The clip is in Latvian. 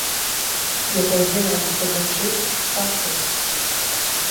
Ja tev zināms, kur viņš ir, saki.